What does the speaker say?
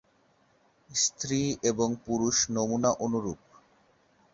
স্ত্রী এবং পুরুষ নমুনা অনুরূপ।